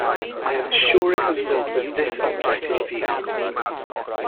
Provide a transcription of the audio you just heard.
I am sure it was built with this object in view.